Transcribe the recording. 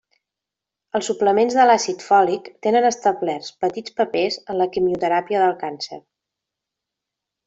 Els suplements de l'àcid fòlic tenen establerts petits papers en la quimioteràpia del càncer.